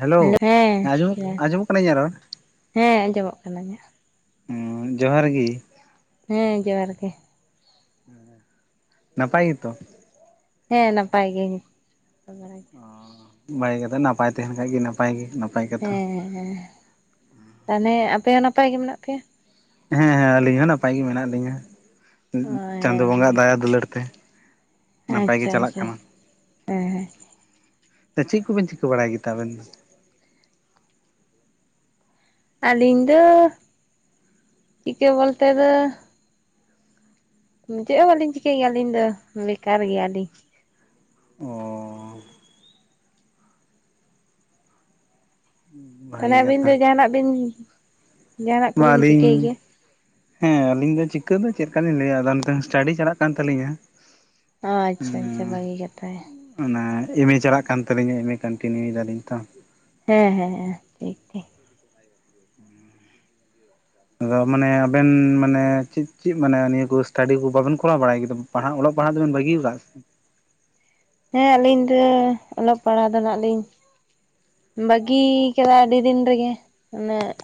Hello hello ᱦᱮ ᱟᱸᱡᱚᱢᱚᱜ ᱦᱮᱸ ᱟᱸᱡᱚᱢᱚᱜ ᱠᱟᱱᱟ ᱤᱧᱟᱜ ᱨᱚᱲ ᱦᱮᱸ ᱟᱸᱡᱚᱢᱚᱜ ᱠᱟᱱᱟ ᱤᱧᱟᱹᱜ ᱦᱩ ᱡᱚᱦᱟᱨ ᱜᱤ ᱦᱮᱸ ᱡᱚᱦᱟᱨ ᱜᱮ ᱱᱟᱯᱟᱭ ᱜᱮᱛᱚ ᱦᱮᱸ ᱱᱟᱯᱟᱭ ᱜᱮ ᱵᱟᱲᱟ ᱟᱸ ᱱᱟᱯᱟᱭ ᱛᱟᱦᱮᱱ ᱠᱷᱟᱱ ᱜᱮ ᱱᱟᱯᱟᱭ ᱜᱮ ᱱᱟᱯᱟᱭ ᱠᱟᱛᱷᱟ ᱦᱮᱸ ᱛᱟᱦᱞᱮ ᱟᱯᱮ ᱦᱚᱸ ᱱᱟᱯᱟᱭ ᱜᱮ ᱢᱮᱱᱟᱜ ᱯᱮᱭᱟ ᱦᱮᱸ ᱦᱮᱸ ᱟᱹᱞᱤᱧ ᱦᱚᱸ ᱱᱟᱯᱟᱭ ᱜᱮ ᱢᱮᱱᱟᱜ ᱞᱤᱧᱟ, ᱚ ᱪᱟᱸᱫᱚ ᱦᱮᱸ ᱵᱚᱸᱜᱟ ᱦᱮᱸ ᱦᱟᱜ ᱫᱟᱭᱟ ᱫᱩᱞᱟᱹᱲ ᱛᱮ ᱱᱟᱯᱟᱭ ᱟᱪᱪᱷᱟ ᱜᱮ ᱪᱟᱞᱟᱜ ᱟᱪᱪᱷᱟ ᱠᱟᱱᱟ ᱦᱮᱸ ᱦᱮᱸ ᱪᱮᱫ ᱠᱚᱵᱮᱱ ᱪᱤᱠᱟᱹ ᱵᱟᱲᱟᱭ ᱜᱮᱛᱟ ᱟᱵᱮᱱ ᱫᱚ ᱟᱹᱞᱤᱧ ᱫᱚ, ᱪᱤᱠᱟᱹ ᱵᱚᱞᱛᱮ ᱫᱚᱻ ᱪᱮᱫ ᱦᱚᱸ ᱵᱟᱞᱤᱧ ᱪᱤᱠᱟᱹᱭ ᱜᱮᱭᱟ ᱟᱹᱞᱤᱧ ᱫᱚ, ᱵᱮᱠᱟᱨ ᱜᱮᱭᱟᱞᱤᱧ ᱚᱸ ᱛᱟᱦᱚᱞᱮ ᱵᱷᱟᱜᱮ ᱟᱹᱵᱤᱱ ᱠᱟᱛᱷᱟ ᱫᱚ ᱡᱟᱦᱟᱱᱟᱜ ᱵᱤᱱ ᱡᱟᱦᱟᱱᱟᱜ ᱠᱚᱵᱤᱱ ᱪᱤᱠᱟᱹᱭ ᱟᱹᱞᱤᱧ ᱜᱮᱭᱟ ᱦᱮᱸ ᱟᱹᱞᱤᱧ ᱫᱚ ᱪᱤᱠᱟᱹ ᱫᱚ ᱪᱮᱫ ᱞᱮᱠᱟ ᱞᱤᱧ ᱞᱟᱹᱭᱟ, ᱟᱫᱚ ᱱᱤᱛᱚᱝ ᱥᱴᱟᱰᱤ ᱪᱟᱞᱟᱜ ᱠᱟᱱ ᱛᱟᱹᱞᱤᱧᱟ ᱟ ᱟᱪᱪᱷᱟ, ᱟᱪᱪᱷᱟ ᱵᱷᱟᱹᱜᱤ ᱠᱟᱛᱷᱟ ᱚᱱᱟ ᱮᱢ ᱮ ᱪᱟᱞᱟᱜ ᱠᱟᱱ ᱛᱟᱹᱞᱤᱧᱟ, ᱮᱢ ᱮ ᱠᱚᱱᱴᱤᱱᱤᱭᱩᱮᱫᱟᱞᱤᱧ ᱛᱚ ᱦᱮᱸ ᱦᱮᱸ ᱦᱮᱻ ᱴᱷᱤᱠ ᱴᱷᱤᱠ ᱟᱫᱚ ᱢᱟᱱᱮ, ᱟᱵᱮᱱ ᱢᱟᱱᱮ, ᱪᱮᱫ ᱪᱮᱫ ᱢᱟᱱᱮ ᱱᱤᱭᱟᱹ ᱠᱚ ᱥᱴᱟᱹᱰᱤ ᱠᱚ ᱵᱟᱵᱮᱱ ᱠᱚᱨᱟᱣ ᱵᱟᱲᱟᱭ ᱠᱮᱫᱟ ᱯᱟᱲᱦᱟᱜ ᱚᱞᱚᱜ ᱯᱟᱲᱦᱟᱜ ᱫᱚ ᱵᱮᱱ ᱵᱟᱹᱜᱤ ᱟᱠᱟᱫᱟ᱾ ᱦᱮᱸᱻ ᱟᱹᱞᱤᱧ ᱫᱚ ᱚᱞᱚᱜ- ᱯᱟᱲᱦᱟᱣ ᱫᱚ ᱱᱟᱜ ᱞᱤᱧ ᱵᱟᱹᱜᱤ, ᱠᱮᱫᱟ ᱟᱹᱰᱤ ᱫᱤᱱ ᱨᱮᱜᱮ ᱩᱱᱟᱹᱜ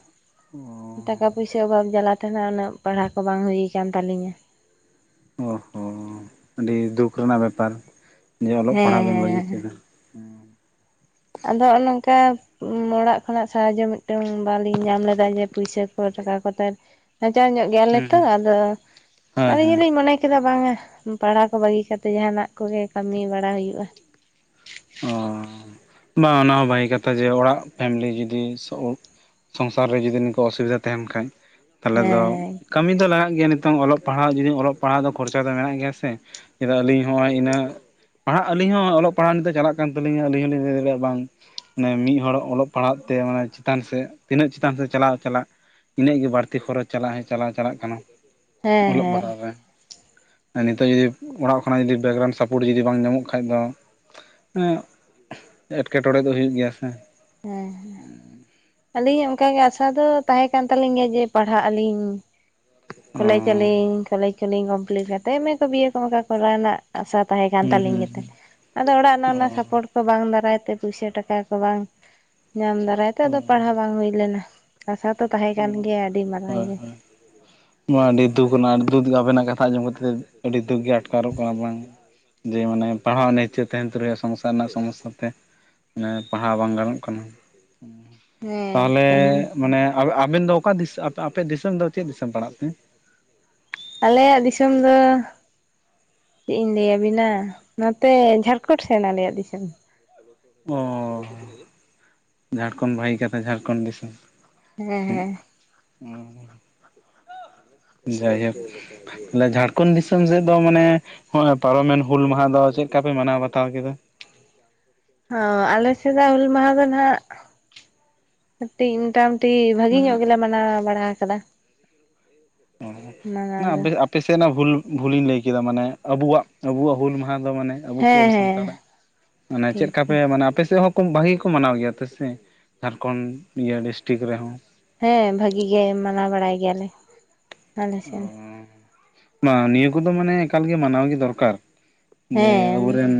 ᱚ ᱴᱟᱠᱟ ᱯᱩᱭᱥᱟᱹ ᱚᱵᱷᱟᱵᱽ ᱡᱟᱞᱟ ᱛᱮ ᱩᱱᱟᱹᱜ ᱯᱟᱲᱦᱟᱣ ᱠᱚ ᱵᱟᱝ ᱦᱩᱭᱩ ᱟᱠᱟᱱ ᱛᱟᱹᱞᱤᱧᱟ ᱚᱦᱚᱻ ᱟᱹᱰᱤ ᱫᱩᱠ ᱨᱮᱱᱟᱜ ᱵᱮᱯᱟᱨ ᱡᱮ ᱚᱞᱚᱜ ᱦᱮᱸ ᱯᱟᱲᱦᱟᱜ ᱵᱮᱱ ᱵᱟᱹᱜᱤ ᱦᱮᱸ ᱠᱮᱫᱟ᱾ ᱟᱫᱚ, ᱱᱚᱜᱼᱚ ᱱᱚᱝᱠᱟ ᱩᱻ ᱚᱲᱟᱜ ᱠᱷᱚᱱᱟᱜ ᱥᱟᱦᱟᱡᱚ ᱢᱤᱫᱴᱮᱱ, ᱵᱟ. ᱞᱤᱧ ᱧᱟᱢ ᱞᱮᱫᱟ ᱡᱮ ᱯᱩᱭᱥᱟᱹ ᱠᱚ ᱴᱟᱠᱟ ᱠᱚᱛᱮ ᱱᱟᱪᱟᱨ ᱧᱚᱜ ᱜᱮᱭᱟᱞᱮ ᱦᱩᱸ ᱛᱚ ᱦᱩᱸ ᱟᱫᱚ, ᱦᱳᱭ ᱟᱞᱤᱧ ᱦᱳᱭ ᱦᱚᱞᱤᱧ ᱢᱚᱱᱮ ᱪᱮᱫᱟ ᱵᱟᱝᱟ ᱯᱟᱲᱦᱟᱣ ᱠᱚ ᱵᱟᱹᱜᱤ ᱠᱟᱛᱮ ᱡᱟᱦᱟᱱᱟᱜ ᱠᱚᱜᱮ ᱠᱟᱹᱢᱤ ᱵᱟᱲᱟ ᱦᱩᱭᱩᱜᱼᱟ᱾ ᱚ [inaudible] ᱵᱟᱝ ᱚᱱᱟ ᱦᱚ ᱵᱷᱟᱹᱜᱤ ᱠᱟᱛᱷᱟ ᱡᱮ ᱚᱲᱟᱜ ᱯᱷᱮᱢᱮᱞᱤ ᱡᱩᱫᱤ ᱥᱚᱝᱥᱟᱨ ᱨᱮ ᱡᱚᱫᱤ ᱱᱩᱠᱩ ᱚᱥᱩᱵᱤᱫᱟ ᱛᱟᱦᱮᱱ ᱠᱷᱟᱡ ᱛᱟᱦᱚᱞᱮ ᱫᱚ ᱦᱮᱸ ᱦᱮᱸ ᱠᱟᱹᱢᱤ ᱫᱚ ᱞᱟᱜᱟᱜ ᱜᱮᱭᱟ ᱱᱤᱛᱚᱝ ᱚᱞᱚᱜ ᱯᱟᱲᱦᱟᱜ ᱯᱟᱲᱦᱟᱜ ᱡᱩᱫᱤ ᱚᱞᱚᱜ ᱯᱟᱲᱦᱟᱜ ᱫᱚ ᱠᱷᱚᱨᱪᱟ ᱫᱚ ᱢᱮᱱᱟᱜ ᱜᱮᱭᱟ ᱥᱮ ᱟᱞᱤᱧ ᱦᱚᱸᱜᱼ ᱤᱱᱟᱹ ᱯᱟᱲᱦᱟᱜ, ᱟᱹᱞᱤᱧ ᱦᱚᱸ ᱚᱞᱚᱜ ᱯᱟᱲᱦᱟᱜ ᱱᱤᱛᱚᱜ ᱪᱟᱞᱟᱜ ᱠᱟᱱ ᱛᱟᱹᱞᱤᱧᱟ ᱟᱹᱞᱤᱧ ᱦᱚᱸ ᱞᱤᱧ ᱞᱟᱹᱭ ᱮᱫᱟ ᱵᱟᱝ ᱢᱟᱱᱮ, ᱢᱤᱫ ᱦᱚᱲ ᱚᱞᱚᱜ ᱯᱟᱲᱦᱟᱣ ᱛᱮ, ᱢᱟᱱᱮ ᱪᱮᱛᱟᱱ ᱥᱮᱫ ᱛᱤᱱᱟᱹᱜ ᱪᱮᱛᱟᱱ ᱥᱮᱫ ᱪᱟᱞᱟᱜ- ᱪᱟᱞᱟᱜ ᱤᱱᱟᱹᱜ ᱜᱮ ᱵᱟᱹᱲᱛᱤ ᱠᱷᱚᱨᱚᱪ ᱪᱟᱞᱟᱣ ᱪᱟᱞᱟᱜ ᱪᱟᱞᱟᱜ ᱠᱟᱱᱟ ᱦᱮᱸ ᱦᱮᱸ ᱚᱞᱚᱜ-ᱯᱟᱲᱦᱟᱜ ᱨᱮ ᱱᱤᱛᱚᱜ ᱡᱩᱫᱤ ᱚᱲᱟᱜ ᱠᱷᱚᱱᱟᱜ ᱡᱩᱫᱤ ᱵᱮᱠᱜᱨᱟᱣᱩᱱᱰ ᱥᱟᱯᱳᱨᱴ ᱡᱩᱫᱤ ᱵᱟᱝ ᱧᱟᱢᱚᱜ ᱠᱷᱟᱡ ᱫᱚ ᱮᱴᱠᱮᱴᱬᱮ ᱫᱚ ᱦᱩᱭᱩᱜ ᱜᱮᱭᱟ ᱥᱮ ᱟᱹᱞᱤᱧᱟᱜ ᱚᱱᱠᱟᱜᱮ ᱟᱥᱟ ᱫᱚ ᱛᱟᱦᱮᱸ ᱠᱟᱱ ᱛᱟᱹᱟᱞᱤᱧ ᱜᱮᱭᱟ ᱡᱮ ᱯᱟᱲᱦᱟᱜ ᱟᱹᱞᱤᱧ ᱠᱚᱞᱮᱮᱡ ᱚ ᱟᱹᱞᱤᱧ, ᱠᱚᱞᱮᱡᱽ ᱠᱚᱞᱤᱧ ᱠᱚᱢᱯᱞᱤᱴ ᱠᱟᱛᱮᱫ ᱮᱢᱮ ᱠᱚ ᱵᱤᱭᱮ ᱚᱱᱠᱟ ᱠᱚᱨᱟᱣᱱᱟ ᱟᱥᱟ ᱛᱟᱦᱮᱸ ᱠᱟᱱ ᱦᱩᱸ ᱛᱟᱹᱟᱞᱤᱧ ᱡᱮᱛᱮ ᱦᱩᱸ ᱟᱫᱚ ᱚᱲᱟᱜ ᱨᱮᱱᱟᱜ ᱚᱱᱟ ᱚ ᱥᱟᱯᱳᱨᱴ ᱠᱚ ᱵᱟᱝ ᱫᱟᱨᱟᱭ ᱛᱮ ᱯᱩᱭᱥᱟᱹ ᱴᱟᱠᱟ ᱠᱚ ᱵᱟᱝ ᱧᱟᱢ ᱫᱟᱨᱟᱭ ᱛᱮ, ᱟᱫᱚ ᱯᱟᱲᱦᱟᱣ ᱚ ᱵᱟᱝ ᱦᱩᱭ ᱞᱮᱱᱟ ᱟᱥᱟ ᱛᱚ ᱛᱟᱦᱮᱸ ᱠᱟᱱ ᱜᱮᱭᱟ ᱟᱹᱰᱤ ᱢᱟᱨᱟᱝ ᱦᱳᱭ ᱜᱮ ᱦᱳᱭ ᱱᱚᱣᱟ ᱟᱹᱰᱤ ᱫᱩᱠ ᱠᱟᱱᱟ ᱫᱩᱠ ᱟᱵᱮᱱᱟᱜ ᱠᱟᱛᱷᱟ ᱟᱸᱡᱚᱢ ᱠᱟᱛᱮᱫ ᱟᱹᱰᱤ ᱫᱩᱠ ᱜᱮ ᱟᱴᱠᱟᱨᱚᱜ ᱠᱟᱱᱟ ᱵᱟᱝ ᱡᱮ ᱢᱟᱱᱮ ᱯᱟᱲᱦᱟᱣ ᱤᱪᱪᱷᱟᱹ ᱛᱟᱦᱮᱱ ᱛᱩᱞᱩᱭᱟ ᱥᱚᱝᱥᱟᱨ ᱨᱮᱱᱟᱜ ᱥᱚᱢᱚᱥᱥᱟ ᱛᱮ ᱢᱮ ᱯᱟᱲᱦᱟᱣ ᱵᱟᱝ ᱜᱟᱱᱚᱜ ᱠᱟᱱᱟ ᱦᱮᱸ ᱛᱟᱦᱚᱞᱮ ᱮᱠᱫᱚᱢ ᱢᱟᱱᱮ ᱟᱵᱮᱱ ᱫᱚ ᱚᱠᱟ ᱟᱯᱮ ᱫᱤᱥᱚᱢ ᱫᱚ ᱪᱮᱫ ᱫᱤᱥᱚᱢ ᱯᱟᱲᱟᱜ ᱛᱮ ᱟᱞᱮᱭᱟᱜ ᱫᱤᱥᱚᱢ ᱫᱚ ᱪᱮᱫ ᱤᱧ ᱞᱟᱹᱭᱟᱵᱤᱱᱟ ᱱᱚᱛᱮ ᱡᱷᱟᱲᱠᱷᱚᱸᱰ ᱥᱮᱱ ᱟᱞᱮᱭᱟᱜ ᱫᱤᱥᱚᱢ ᱚ ᱡᱷᱟᱲᱠᱷᱚᱸᱰ ᱵᱷᱟᱹᱜᱤ ᱠᱟᱛᱷᱟ ᱡᱷᱟᱲᱠᱷᱚᱸᱰ ᱫᱤᱥᱚᱢ ᱦᱮᱸ ᱦᱮᱸ ᱦ [inaudible] ᱦ [unintelligible] ᱡᱟᱭᱦᱳᱠ ᱟᱞᱮ ᱡᱷᱟᱲᱠᱷᱚᱱᱰ ᱫᱤᱥᱚᱢ ᱥᱮᱫ ᱫᱚ ᱢᱟᱱᱮ ᱱᱚᱜ-ᱚᱭ ᱯᱟᱨᱚᱢᱮᱱ ᱦᱩᱞ ᱢᱟᱦᱟ ᱫᱚ ᱪᱮᱫ ᱞᱮᱠᱟ ᱯᱮ ᱢᱟᱱᱟᱣ ᱵᱟᱛᱟᱣ ᱠᱮᱫᱟ ᱦᱚᱸ ᱟᱞᱮ ᱥᱮᱫᱟᱜ ᱦᱩᱞ ᱢᱟᱦᱟ ᱫᱚ ᱱᱟᱦᱟᱜ ᱠᱟᱹᱴᱤᱡ ᱢᱚᱴᱟ ᱢᱩᱴᱤ ᱵᱷᱟᱹᱜᱤ ᱧᱚᱜ ᱢᱟᱱᱮ ᱜᱮᱞᱮ ᱢᱟᱱᱟᱣ ᱵᱟᱲᱟ ᱟᱠᱟᱫᱟ ᱢᱟᱱᱟᱣ ᱫᱚ [inaudible] ᱟᱯᱮᱥᱮᱱᱟᱜ ᱵᱷᱩᱞ ᱵᱷᱩᱞᱤᱧ ᱞᱟᱹᱭ ᱠᱮᱫᱟ ᱢᱟᱱᱮ ᱟᱵᱚᱣᱟᱜ ᱟᱵᱚᱣᱟᱜ ᱦᱩᱞ ᱢᱟᱦᱟ ᱫᱚ ᱢᱟᱱᱮ ᱟᱵᱚ ᱠᱚ ᱦᱮᱸ ᱟᱵᱚ ᱦᱮᱸ ᱥᱟᱱᱛᱟᱲᱟᱜ ᱢᱟᱱᱮ ᱪᱮᱫ ᱴᱷᱤᱠ ᱞᱮᱠᱟ ᱯᱮ ᱴᱷᱤᱠ ᱢᱟᱱᱮ ᱟᱯᱮ ᱥᱮᱫ ᱦᱚᱸ ᱵᱷᱟᱜᱮ ᱜᱮ ᱠᱚ ᱢᱟᱱᱟᱣ ᱜᱮᱭᱟ ᱛᱚ ᱥᱮ ᱡᱷᱟᱲᱠᱷᱚᱸᱰ ᱤᱭᱟᱹ ᱰᱤᱥᱴᱤᱠ ᱨᱮᱦᱚᱸ ᱦᱮᱸ ᱵᱷᱟᱹᱜᱤ ᱜᱮ ᱢᱟᱱᱟᱣ ᱵᱟᱲᱟᱭ ᱜᱮᱭᱟᱞᱮ ᱟᱞᱮ ᱥᱮᱱ ᱵᱟᱝ ᱱᱤᱭᱟᱹ ᱠᱚᱫᱚ ᱢᱟᱱᱮ ᱮᱠᱟᱞᱜᱮ ᱢᱟᱱᱟᱣᱜᱮ ᱫᱚᱨᱠᱟᱨ ᱡᱮ ᱦᱮᱸ ᱟᱵᱚᱨᱮᱱ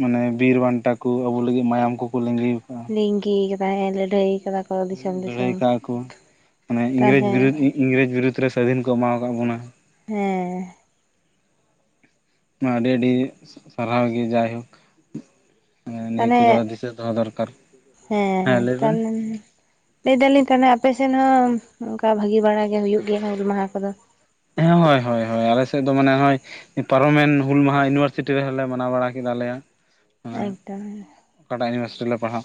ᱢᱟᱱᱮ ᱵᱤᱨᱵᱟᱱᱴᱟ ᱠᱚ ᱟᱵᱩ ᱞᱟᱹᱜᱤᱫ ᱢᱟᱭᱟᱢ ᱠᱚᱠᱚ ᱞᱤᱜᱤ ᱟᱠᱟᱜᱼᱟ ᱞᱤᱸᱜᱤ ᱟᱠᱟᱫᱟᱭ ᱦᱮ ᱞᱟ. ᱲᱟ. ᱭ ᱠᱟᱫᱟ ᱠᱚ ᱫᱤᱥᱚᱢ ᱫᱤᱥᱚᱢ ᱞᱟᱹᱲᱦᱟᱹᱭ ᱠᱟᱜᱼᱟ ᱠᱚ ᱢᱟᱱᱮ ᱤᱝᱨᱮᱡᱽ ᱛᱟᱦᱚᱞᱮ ᱵᱤᱨᱩᱫᱽ ᱤᱝᱨᱮᱡᱽ ᱵᱤᱨᱩᱫᱽ ᱨᱮ ᱥᱟᱹᱫᱷᱤᱱ ᱠᱚ ᱮᱢᱟᱣ ᱟᱠᱟᱫ ᱵᱚᱱᱟ ᱦᱮᱸ ᱦᱮ ᱟᱹᱰᱤ ᱟᱹᱰᱤ ᱥᱟᱨᱦᱟᱣ ᱜᱮ ᱡᱟᱭᱦᱳᱠ ᱱᱤᱭᱟᱹ ᱛᱟᱦᱚᱞᱮ ᱠᱚᱫᱚ ᱫᱤᱥᱟᱹ ᱫᱚᱦᱚ ᱫᱚᱨᱠᱟᱨ ᱦᱮᱸ ᱞᱟᱹᱭ ᱵᱮᱱ ᱛᱟᱦᱮ ᱞᱟᱹᱭ ᱫᱟᱞᱤᱧ ᱛᱟᱦᱮ ᱟᱯᱮᱥᱮᱫ ᱦᱚᱸ ᱚᱱᱠᱟ ᱵᱷᱟᱹᱜᱤ ᱵᱟᱲᱟ ᱜᱮ ᱦᱩᱭᱩᱜ ᱜᱮᱭᱟ ᱦᱩᱞ ᱢᱟᱦᱟ ᱠᱚᱫᱚ ᱦᱮᱸ ᱦᱳᱭ ᱦᱳᱭ ᱦᱳᱭ ᱟᱞᱮᱥᱮᱫ ᱫᱚ ᱢᱟᱱᱮ ᱦᱳᱭ ᱯᱟᱨᱚᱢᱮᱱ ᱦᱩᱞ ᱢᱟᱦᱟ ᱤᱭᱩᱱᱤᱵᱷᱟᱨᱥᱤᱴᱤ ᱨᱮᱦᱚᱸ ᱞᱮ ᱢᱟᱱᱟᱣ ᱵᱟᱲᱟ ᱠᱮᱫᱟᱞᱮ ᱮᱠᱫᱚᱢ ᱚᱠᱟᱴᱟᱜ ᱤᱭᱩᱱᱤᱵᱷᱟᱨᱥᱤᱴᱤ ᱨᱮ ᱞᱮ ᱯᱟᱲᱦᱟᱜ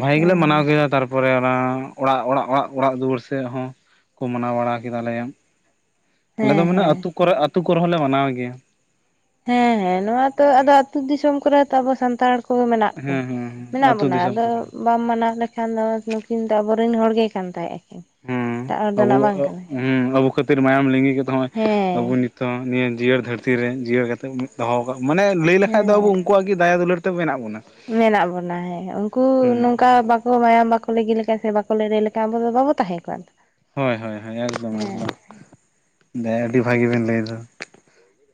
ᱵᱷᱟᱹᱜᱤ ᱜᱮᱞᱮ ᱦᱮᱸ ᱢᱟᱱᱟᱣ ᱠᱮᱫᱟ ᱛᱟᱨᱯᱚᱨᱮ ᱛᱟᱯᱚᱨᱮ ᱚᱱᱟ ᱚᱲᱟᱜ ᱚᱲᱟᱜ ᱚᱲᱟᱜ ᱚᱲᱟᱜ ᱫᱩᱣᱟᱹᱨ ᱥᱮᱫ ᱦᱚᱸ ᱠᱚ ᱢᱟᱱᱟᱣ ᱵᱟᱲᱟ ᱠᱮᱫᱟᱞᱮ ᱟᱞᱮ ᱦᱮᱸ ᱫᱚ ᱢᱟᱱᱮ ᱦᱮᱸ ᱟᱹᱛᱩ ᱠᱚᱨᱮ ᱟᱹᱛᱩ ᱠᱚᱨᱮ ᱦᱚᱸᱞᱮ ᱢᱟᱱᱟᱣ ᱜᱮᱭᱟ ᱦᱮᱸ ᱦᱮᱸ ᱱᱚᱣᱟ ᱛᱚ ᱟᱫᱚ ᱦᱮᱸ ᱟᱹᱛᱩ ᱫᱤᱥᱚᱢ ᱠᱚᱨᱮ ᱛᱚ ᱟᱵᱚ ᱥᱟᱱᱛᱟᱲ ᱢᱮᱱᱟᱜ ᱠᱚᱣᱟ ᱦᱮᱸ ᱦᱮᱸ ᱢᱮᱱᱟᱜ ᱟᱹᱛᱩ ᱵᱚᱱᱟ ᱫᱤᱥᱚᱢ ᱟᱫᱚ ᱠᱚᱨᱮ ᱵᱟᱢ ᱢᱟᱱᱟᱣ ᱞᱮᱠᱷᱟᱱ ᱫᱚ ᱱᱩᱠᱤᱱ ᱫᱚ ᱟᱵᱚᱨᱮᱱ ᱦᱚᱲ ᱜᱮ ᱠᱟᱱ ᱛᱟᱦᱮ-ᱟᱠᱤᱱ ᱦᱮᱸ ᱟᱵᱚ ᱦᱮᱸ ᱟᱵᱚ ᱠᱷᱟᱹᱛᱤᱨ ᱢᱟᱭᱟᱢ ᱞᱤᱸᱜᱤ ᱠᱟᱛᱮ ᱦᱚᱸ ᱦᱮᱸ ᱟᱵᱚ ᱱᱤᱛᱚᱜ ᱱᱤᱭᱟᱹ ᱡᱤᱭᱟᱹᱲ ᱫᱷᱟᱹᱨᱛᱤ ᱨᱮ ᱡᱤᱭᱟᱹᱲ ᱠᱟᱛᱮᱫ ᱫᱚᱦᱚ ᱠᱟᱠ ᱢᱟᱱᱮ ᱞᱟᱹᱭ ᱞᱮᱠᱷᱟᱠ ᱫᱚ ᱟᱵᱚ ᱦᱮᱸ ᱩᱱᱠᱩᱣᱟᱜ ᱜᱮ ᱫᱟᱭᱟ ᱫᱩᱞᱟᱹᱲ ᱛᱮ ᱢᱮᱱᱟᱜ ᱵᱩᱱᱟ ᱢᱮᱱᱟᱜ ᱵᱚᱱᱟ ᱦᱮᱸ ᱩᱝᱠᱩ ᱱᱚᱝᱠᱟ ᱵᱟᱠᱚ ᱢᱟᱭᱟᱢ ᱵᱟᱠᱚ [inaudible] ᱵᱟᱠᱚ ᱞᱟᱹᱲᱦᱟᱭ ᱟᱵᱚ ᱫᱚ ᱵᱟᱵᱚᱱ ᱛᱟᱦᱮᱱ ᱠᱚᱜ-ᱟ ᱛᱚ ᱦᱳᱭ ᱦᱳᱭ ᱦᱳᱭ ᱮᱠᱫᱚᱢ ᱮᱠᱫᱚᱢ [inaudible] ᱵᱷᱟᱹᱜᱤ ᱵᱮᱱ ᱞᱟᱹᱭᱮᱫᱟ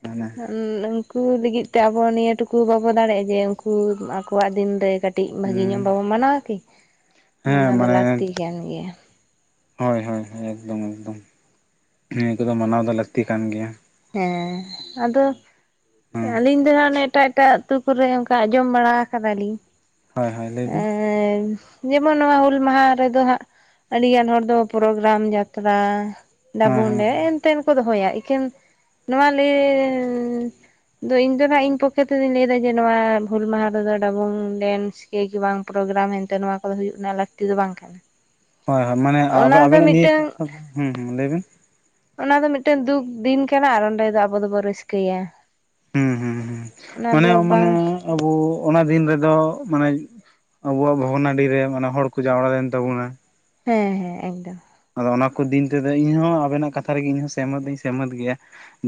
ᱢᱟᱱᱮ ᱩᱱᱠᱩ ᱞᱟᱹᱜᱤᱫ ᱛᱮ ᱟᱵᱚ ᱱᱤᱭᱟᱹ ᱴᱩᱠᱩ ᱵᱟᱵᱚ ᱫᱟᱲᱮᱭᱟᱜᱼᱟ ᱡᱮ ᱩᱱᱠᱩ ᱟᱠᱚᱣᱟᱜ ᱫᱤᱱ ᱨᱮ ᱠᱟᱹᱴᱤᱡ ᱵᱷᱟᱹᱜᱤ ᱧᱚᱜ ᱦᱩᱸ ᱵᱟᱵᱚ ᱢᱟᱱᱟᱣᱟ ᱠᱤ ᱦᱮᱸ ᱢᱟᱱᱟᱣ ᱫᱚ ᱢᱟᱱᱮ ᱞᱟᱹᱠᱛᱤ ᱠᱟᱱ ᱜᱮᱭᱟ ᱦᱳᱭ ᱦᱳᱭ ᱮᱠᱫᱚᱢ ᱮᱠᱫᱚᱢ ᱱᱤᱭᱟᱹ ᱠᱚᱫᱚ ᱢᱟᱱᱟᱣ ᱫᱚ ᱞᱟᱹᱠᱛᱤ ᱠᱟᱱ ᱜᱮᱭᱟ ᱦᱮᱸ ᱟᱫᱚ ᱦᱮᱸ ᱟᱹᱞᱤᱧ ᱫᱚ ᱦᱟᱜ ᱚᱱᱮ ᱮᱴᱟᱜ ᱮᱴᱟᱜ ᱟᱛᱳ ᱠᱚᱨᱮ ᱚᱱᱠᱟ ᱟᱸᱡᱚᱢ ᱵᱟᱲᱟ ᱟᱠᱟᱫᱟᱞᱤᱧ ᱦᱳᱭ ᱦᱳᱭ ᱞᱟᱹᱭ ᱵᱤᱱ ᱮᱫ ᱡᱮᱢᱚᱱ ᱱᱚᱣᱟ ᱦᱩᱞ ᱢᱟᱦᱟ ᱨᱮᱫᱚ ᱦᱟᱸᱜ ᱟᱹᱰᱤᱜᱟᱱ ᱦᱚᱲ ᱫᱚ ᱯᱨᱳᱜᱨᱟᱢ ᱡᱟᱛᱨᱟ ᱦᱮᱸ ᱦᱮᱸ ᱰᱟᱵᱳᱰᱮ ᱮᱱᱛᱮᱱ ᱠᱚ ᱫᱚᱦᱚᱭᱟ ᱮᱠᱮᱱ ᱱᱚᱣᱟ ᱞᱟᱹᱭ ᱟᱫᱚ ᱤᱧ ᱫᱚ ᱦᱟᱜ ᱤᱧ ᱯᱚᱠᱷᱟ ᱛᱮ ᱫᱚᱧ ᱞᱟᱹᱭ ᱫᱟ ᱡᱮ ᱱᱚᱣᱟ ᱵᱷᱩᱞ ᱢᱟᱦᱟ ᱨᱮᱫᱚ ᱰᱟᱵᱩᱝ ᱰᱮᱱᱥ ᱮ ᱵᱟᱝ ᱯᱨᱳᱜᱨᱟᱢ ᱮᱱᱛᱮ ᱱᱚᱣᱟ ᱠᱚᱫᱚ ᱦᱩᱭᱩᱜ ᱨᱮᱱᱟᱜ ᱞᱟᱹᱠᱛᱤ ᱫᱚ ᱵᱟᱝ ᱠᱟᱱᱟ ᱦᱳᱭ ᱦᱳᱭ ᱢᱟᱱᱮ ᱚᱱᱟ ᱫᱚ ᱟᱵᱮᱟᱵᱮᱱᱟᱜ ᱱᱤᱭᱟᱹ ᱢᱤᱫᱴᱟᱝ ᱠᱟᱷᱟ ᱫᱚ ᱦᱩᱦᱩ ᱞᱟᱹᱭᱵᱤᱱ ᱚᱱᱟ ᱫᱚ ᱢᱤᱫᱴᱮᱱ ᱫᱩᱠ ᱫᱤᱱ ᱠᱟᱱᱟ ᱟᱨ ᱚᱸᱰᱩ ᱫᱚ ᱟᱵᱩ ᱫᱚ ᱵᱩ ᱨᱟᱹᱥᱠᱟᱹᱭᱟ ᱦᱮᱸ ᱦᱮᱸ ᱦᱩᱸ ᱚᱱᱟ ᱢᱟᱱᱮ ᱫᱚ ᱢᱟᱱᱮ ᱵᱟᱝ ᱟᱵᱚ ᱚᱱᱟ ᱫᱤᱱ ᱨᱮᱫᱚ ᱢᱟᱱᱮ ᱟᱵᱚᱣᱟᱜ ᱵᱷᱚᱜᱱᱟᱰᱤ ᱨᱮ ᱮ ᱦᱚᱲ ᱠᱚ ᱡᱟᱣᱨᱟ ᱞᱮᱱ ᱛᱟᱵᱚᱱᱟ ᱦᱮᱸ ᱦᱮᱸ ᱮᱠᱫᱚᱢ ᱟᱫᱚ ᱚᱱᱟ ᱠᱚ ᱫᱤᱱ ᱛᱮᱫᱚ ᱤᱧᱦᱚ ᱟᱵᱮᱱᱟᱜ ᱠᱟᱛᱷᱟ ᱨᱮᱜᱮ ᱥᱮᱭᱢᱟᱛ ᱫᱚᱧ ᱥᱮᱭᱢᱟᱛ ᱜᱮᱭᱟ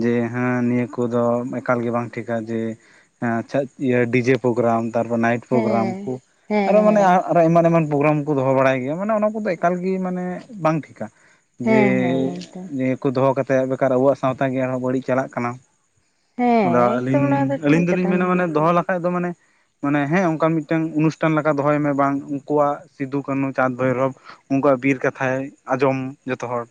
ᱡᱮ ᱦᱮᱸ ᱱᱤᱭᱟᱹ ᱠᱚᱫᱚ ᱮᱠᱟᱞ ᱜᱮ ᱵᱟᱝ ᱴᱷᱮᱠᱟ ᱡᱮ ᱦᱮ ᱟᱪᱪᱷᱟ ᱰᱤᱡᱮ ᱯᱨᱳᱜᱨᱟᱢ ᱛᱟᱨᱯᱚᱨ ᱱᱟᱭᱤᱴ ᱯᱨᱳᱜᱨᱟᱢ ᱠᱚ ᱦᱮᱸ ᱦᱮᱸ ᱟᱨᱦᱚ ᱢᱟᱱᱮ ᱦᱮᱸ ᱟᱨᱦᱚ ᱮᱢᱟᱱ ᱮᱢᱟᱱ ᱯᱨᱳᱜᱨᱟᱢ ᱠᱚ ᱫᱚᱦᱚ ᱵᱟᱲᱟᱭ ᱜᱮᱭᱟ ᱢᱟᱱᱮ ᱚᱱᱟ ᱠᱚᱫᱚ ᱮᱠᱟᱞ ᱜᱮ ᱢᱟᱱᱮ ᱵᱟᱝ ᱴᱷᱤᱠᱟ ᱡᱮ ᱦᱮᱸ ᱦᱮᱸ ᱮᱠᱫᱚᱢ ᱱᱤᱭᱟᱹ ᱠᱚ ᱫᱚᱦᱚ ᱠᱟᱛᱮ ᱵᱮᱠᱟᱨ ᱟᱵᱚᱣᱟᱜ ᱥᱟᱶᱛᱟ ᱜᱮ ᱟᱨᱦᱚ ᱵᱟᱹᱲᱤᱡ ᱪᱟᱞᱟᱜ ᱠᱟᱱᱟ ᱦᱮᱸ ᱵᱟ ᱮᱠᱫᱚᱢ ᱱᱚᱣᱟ ᱫᱚ ᱟᱹᱞᱤᱧ ᱴᱷᱤᱠ ᱫᱚᱞᱤᱧ ᱠᱟᱛᱷᱟᱢ ᱢᱮᱱᱟ ᱢᱟᱱᱮ ᱞᱟᱹᱭ ᱫᱚᱦᱚ ᱞᱮᱠᱷᱟᱡ ᱫᱚ ᱢᱟᱱᱮ ᱢᱟᱱᱮ ᱦᱮᱸ ᱚᱱᱠᱟ ᱢᱤᱫᱴᱮᱝ ᱚᱱᱩᱥᱴᱷᱟᱱ ᱞᱮᱠᱟ ᱫᱚᱦᱚᱭ ᱢᱮ ᱵᱟᱝ ᱩᱱᱠᱩᱣᱟᱜ ᱥᱤᱫᱩ ᱠᱟᱹᱱᱦᱩ ᱪᱟᱸᱫᱽ ᱵᱷᱳᱭᱨᱚᱵ ᱩᱱᱠᱩᱣᱟᱜ ᱵᱤᱨ ᱠᱟᱛᱷᱟᱭ ᱟᱸᱡᱚᱢ ᱡᱚᱛᱚ ᱦᱚᱲ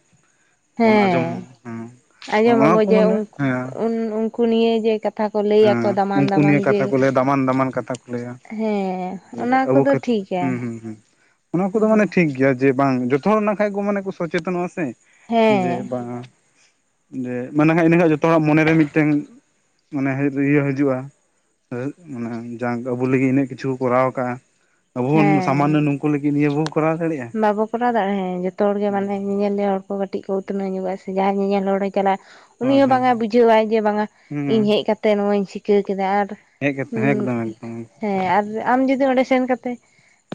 ᱵᱚᱱ ᱟᱸᱡᱚᱢ ᱦᱮᱸ ᱦᱮᱸ ᱟᱸᱡᱚᱢ ᱚᱱᱟ ᱢᱟᱵᱚ ᱠᱚ ᱡᱮ ᱢᱟᱱᱮ ᱦᱮᱸ ᱩᱱᱠᱩ ᱱᱤᱭᱮ ᱡᱮ ᱠᱟᱛᱷᱟ ᱠᱟᱛᱷᱟ ᱠᱚ ᱞᱟᱹᱭᱟᱠᱚ ᱦᱮᱸ ᱫᱟᱢᱟᱱ ᱩᱱᱠᱩ ᱫᱟᱢᱟᱱ ᱱᱤᱭᱟᱹ ᱡᱮ ᱠᱟᱛᱷᱟ ᱠᱚ ᱞᱟᱹᱭᱟ ᱫᱟᱢᱟᱱ ᱫᱟᱢᱟᱱ ᱠᱟᱛᱷᱟ ᱠᱚ ᱞᱟᱹᱭᱟ ᱦᱮᱸ ᱚᱱᱟ ᱟᱵᱚ ᱠᱚᱫᱚ ᱠᱷᱟᱹᱛ ᱴᱷᱤᱜ ᱦᱩᱸ ᱦᱩᱸ ᱦᱩᱸ ᱚᱱᱟ ᱠᱚᱫᱚ ᱢᱟᱱᱮ ᱴᱷᱤᱠ ᱜᱮᱭᱟ ᱡᱮ ᱵᱟᱝ ᱡᱚᱛᱚ ᱦᱚᱲ ᱢᱮᱱᱟᱜ ᱠᱷᱟᱱ ᱠᱚ ᱥᱚᱪᱮᱛᱚ ᱱᱚᱜᱼᱟ ᱥᱮ ᱡᱮ ᱦᱮᱸ ᱵᱟᱝ ᱡᱮ ᱢᱟᱱᱮ ᱤᱱᱟᱹ ᱡᱚᱛᱚ ᱦᱚᱲᱟᱜ ᱢᱚᱱᱮ ᱨᱮ ᱢᱤᱫᱴᱮᱝ ᱢᱟᱱᱮ ᱤᱭᱟᱹ ᱦᱟᱡᱩᱜᱼᱟ ᱚᱹ ᱮ ᱢᱟᱱᱮ ᱡᱟᱸ ᱟᱵᱩ ᱞᱟᱹᱜᱤᱫ ᱤᱱᱟᱹᱜ ᱠᱤᱪᱷᱩ ᱠᱩ ᱠᱚᱨᱟᱣ ᱟᱠᱟᱟᱜᱼᱟ ᱟᱵᱚ ᱵᱩᱱ ᱦᱮᱸ ᱥᱟᱢᱟᱱᱱᱚ ᱱᱩᱝᱠᱩ ᱞᱟᱹᱜᱤᱫ ᱱᱤᱭᱟᱹ ᱵᱩᱱ ᱠᱚᱨᱟᱣ ᱫᱟᱲᱮᱭᱟᱜ-ᱟ ᱵᱟᱵᱚ ᱠᱚᱨᱟᱣ ᱫᱟᱲᱮᱭᱟᱜ-ᱟ ᱡᱚᱛᱚ ᱦᱚᱲᱮ ᱠᱚᱨᱟᱣ ᱫᱟᱲᱮᱭᱟᱜ-ᱟ ᱦᱮ ᱡᱚᱛᱚ ᱦᱚᱲ ᱜᱮ ᱢᱟᱱᱮ ᱧᱮᱧᱮᱞᱤᱭᱟ ᱦᱚᱲ ᱠᱚ ᱠᱟᱹᱴᱤᱢ ᱠᱩ ᱩᱛᱱᱟᱹ ᱧᱚᱜᱚᱜ-ᱟ ᱥᱮ ᱡᱟᱦᱟᱭ ᱧᱮᱧᱮᱞ ᱦᱚᱲᱮ ᱪᱟᱞᱟᱜ-ᱟ ᱩᱱᱤ ᱦᱳᱭ ᱦᱚ ᱦᱳᱭ ᱵᱟᱝᱟᱭ ᱵᱩᱡᱷᱟᱹᱣ ᱡᱮ ᱵᱟᱝᱟ ᱦᱮᱸ ᱤᱧ ᱦᱮᱡ ᱠᱟᱛᱮ ᱱᱚᱣᱟᱧ ᱪᱤᱠᱟᱹ ᱠᱮᱫᱟ ᱟᱨ ᱦᱮᱡ [unintelligible] ᱮᱠᱫᱚᱢ ᱮᱠᱫᱚᱢ ᱦᱮᱸ ᱟᱨ ᱟᱢ ᱡᱩᱫᱤ ᱚᱸᱰᱮ ᱥᱮᱱ ᱠᱟᱛᱮ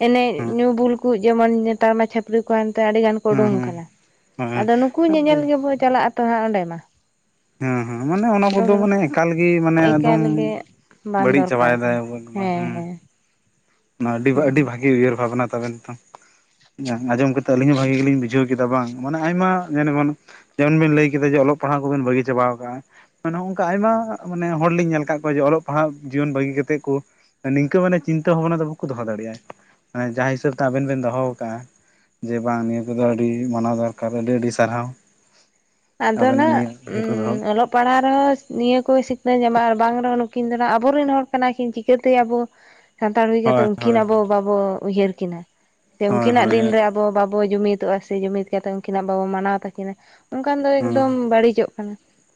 ᱮᱱᱮᱡ ᱧᱩ ᱵᱩᱞ ᱠᱩ ᱱᱮᱛᱟᱨ ᱢᱟ ᱪᱷᱟᱹᱯᱲᱤ ᱠᱚᱲᱟ ᱮᱱᱛᱮ ᱟᱹᱰᱤ ᱜᱟᱱ ᱦᱮᱸ ᱩᱰᱩᱝ ᱦᱮᱸ ᱠᱟᱱᱟ ᱦᱳᱭ ᱟᱫᱚ ᱱᱩᱠᱩ ᱟᱹᱰᱤ ᱧᱮᱧᱮᱞ ᱜᱮᱠᱩ ᱪᱟᱞᱟᱜ ᱟᱛᱚ ᱦᱟᱜ ᱚᱸᱰᱮ ᱢᱟ ᱦᱮᱸ ᱦᱮᱸ ᱢᱟᱱᱮ ᱚᱱᱟ ᱯᱚᱲᱟᱜ ᱠᱚᱫᱚ ᱢᱟᱱᱮ ᱮᱠᱟᱞ ᱜᱮ ᱢᱟᱱᱮ [unintelligible] ᱮᱠᱫᱚᱢ ᱮᱠᱮᱱ ᱜᱮ ᱵᱟᱝ ᱵᱟᱹᱲᱤᱡ ᱫᱚᱨᱠᱟᱨ ᱪᱟᱵᱟᱭᱮᱫᱟᱭ ᱠᱟᱱᱟ ᱦᱮᱸ ᱦᱮᱸ ᱱᱚᱣᱟ ᱟᱹᱰᱤ ᱟᱹᱰᱤ ᱦᱮᱸ ᱵᱷᱟᱹᱜᱤ ᱩᱭᱦᱟᱹᱨ ᱵᱷᱟᱵᱽᱱᱟ ᱛᱟᱵᱮᱱ ᱛᱚᱝ ᱟᱸᱡᱚᱢ ᱠᱟᱛᱮᱫ ᱟᱹᱞᱤᱧ ᱦᱚᱸ ᱵᱷᱟᱜᱤ ᱜᱮᱞᱤᱧ ᱵᱩᱡᱷᱟᱹᱣ ᱠᱮᱫᱟ ᱵᱟᱝ ᱢᱟᱱᱮ ᱟᱭᱢᱟ ᱜᱷᱟᱱᱮ ᱜᱷᱟᱱᱮ ᱡᱮᱢᱚᱱ ᱵᱮᱱ ᱞᱟᱹᱭ ᱠᱮᱫᱟ ᱡᱮ ᱚᱞᱚᱜ ᱯᱟᱲᱦᱟᱜ ᱠᱚᱵᱤᱱ ᱵᱟᱹᱜᱤ ᱪᱟᱵᱟᱣ ᱠᱟᱜᱼᱟ ᱟᱨ ᱱᱚᱝᱠᱟ ᱟᱭᱢᱟ ᱢᱟᱱᱮ ᱦᱚᱲ ᱞᱤᱧ ᱧᱮᱞ ᱠᱟᱜ ᱠᱚᱣᱟ ᱡᱮ ᱚᱞᱚᱜ ᱯᱟᱲᱦᱟᱜ ᱡᱩᱭᱚᱱ ᱵᱟᱹᱜᱤ ᱠᱟᱛᱮ ᱠᱩ ᱱᱤᱝᱠᱟᱹ ᱢᱟᱱᱮ ᱪᱤᱱᱛᱟᱹ ᱵᱷᱟᱵᱽᱱᱟ ᱫᱚ ᱵᱟᱠᱩ ᱫᱚᱦᱚ ᱫᱟᱲᱮᱭᱟᱜᱼᱟ ᱢᱮ ᱡᱟᱦᱟᱸ ᱦᱤᱥᱟᱹᱵᱽ ᱛᱮ ᱟᱵᱮᱱ ᱵᱮᱱ ᱫᱚᱦᱚ ᱠᱟᱜᱼᱟ ᱡᱮ ᱵᱟᱝ ᱱᱤᱭᱟᱹ ᱠᱚᱫᱚ ᱟᱹᱰᱤ ᱢᱟᱱᱟᱣ ᱫᱚᱨᱠᱟᱨ ᱟᱹᱰᱤ ᱟᱹᱰᱤ ᱥᱟᱨᱦᱟᱣ ᱟᱫᱚ ᱟᱵᱮᱱᱟᱜ ᱱᱟᱜ ᱱᱤᱭᱟᱹ ᱤᱭᱟᱹ ᱩᱸ ᱠᱚ ᱫᱚᱦᱚ ᱚᱞᱚᱜ ᱯᱟᱲᱦᱟᱣ ᱨᱮᱦᱚᱸ ᱱᱤᱭᱟᱹ ᱠᱚ ᱥᱤᱠᱷᱱᱟᱹᱛ ᱧᱟᱢᱚᱜᱼᱟ ᱟᱨ ᱵᱟᱝ ᱨᱮᱦᱚᱸ ᱱᱩᱠᱤᱱ ᱫᱚ ᱦᱟᱸ ᱟᱵᱚᱨᱮᱱ ᱦᱚᱲ ᱠᱟᱱᱟ ᱠᱤᱱ ᱪᱤᱠᱟᱛᱮ ᱟᱵᱚ ᱥᱟᱱᱛᱟᱲ ᱦᱩᱭ ᱠᱟᱛᱮ, ᱦᱳᱭ ᱩᱱᱠᱤᱱ ᱦᱳᱭ ᱟᱵᱚ ᱵᱟᱵᱚ ᱩᱭᱦᱟᱹᱨ ᱠᱤᱱᱟ ᱛᱮ ᱦᱳᱭ ᱩᱱᱠᱤᱱᱟᱜ ᱦᱳᱭ ᱫᱤᱱ ᱨᱮ ᱟᱵ ᱟᱵᱚ ᱵᱟᱵᱚ ᱡᱩᱢᱤᱫᱚᱜᱼᱟ ᱥᱮ ᱡᱩᱢᱤᱫ ᱠᱟᱛᱮ ᱩᱝᱠᱤᱱᱟᱜ ᱵᱟᱵᱚ ᱢᱟᱱᱟᱣ ᱛᱟᱹᱠᱤᱱᱟ ᱚᱱᱠᱟ ᱫᱚ ᱦᱳᱭ ᱮᱠᱫᱚᱢ ᱵᱟᱹᱲᱤᱡᱚᱜ ᱠᱟᱱᱟ